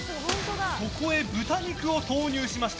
そこへ豚肉を投入しました。